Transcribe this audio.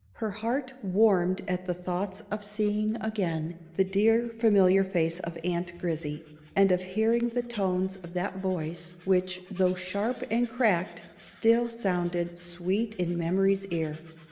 Her heart warmed at the thoughts of seeing again the dear familiar face of Aunt Grizzy, and of hearing the tones of that voice, which, though sharp and cracked, still sounded sweet in memory's ear.